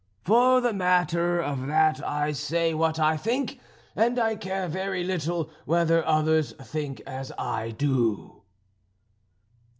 For the matter of that I say what I think, and I care very little whether others think as I do."